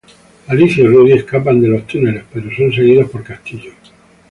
Alicia y Rudy escapan de los túneles, pero son seguidos por Castillo.